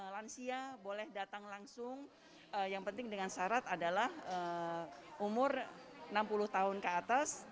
lansia boleh datang langsung yang penting dengan syarat adalah umur enam puluh tahun ke atas